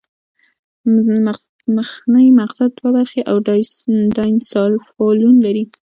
مخنی مغزه دوه برخې او ډاینسفالون لري